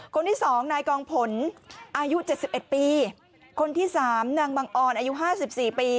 คนที่๒นายกองผลอายุ๗๑ปีคนที่๓นางบังออนอายุ๕๔ปี